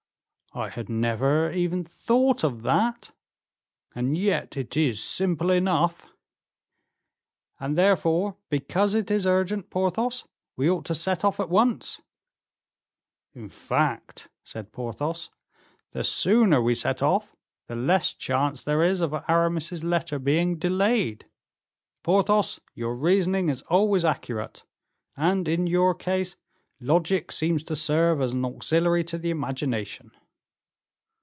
"I had never even thought of that, and yet it is simple enough." "And therefore, because it is urgent, Porthos, we ought to set off at once." "In fact," said Porthos, "the sooner we set off the less chance there is of Aramis's letter being delayed." "Porthos, your reasoning is always accurate, and, in your case, logic seems to serve as an auxiliary to the imagination."